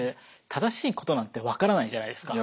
正しいことなんて分からないじゃないですか。